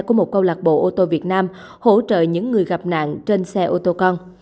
của một câu lạc bộ ô tô việt nam hỗ trợ những người gặp nạn trên xe ô tô con